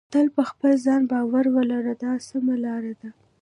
تل په خپل ځان باور ولرئ دا سمه لار ده.